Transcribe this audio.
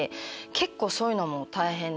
結構そういうのも大変で。